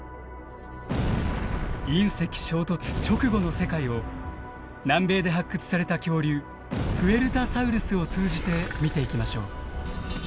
隕石衝突直後の世界を南米で発掘された恐竜プエルタサウルスを通じて見ていきましょう。